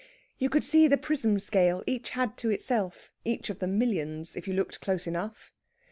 You could see the prism scale each had to itself, each of the millions, if you looked close enough.